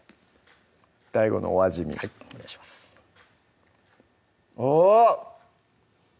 ＤＡＩＧＯのお味見はいお願いしますあ！